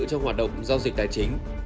cho hoạt động giao dịch tài chính